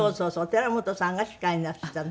寺本さんが司会なすったね。